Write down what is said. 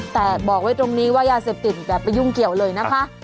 แต่บอกไว้ตรงนี้ว่ายาเสพติดอย่าไปยุ่งเกี่ยวเลยนะคะ